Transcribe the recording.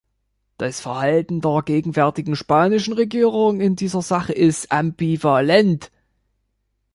Das Verhalten der gegenwärtigen spanischen Regierung in dieser Sache ist ambivalent.